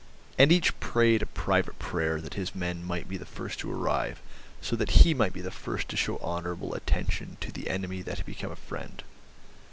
And each prayed a private prayer that his men might be the first to arrive, so that he might be the first to show honourable attention to the enemy that had become a friend.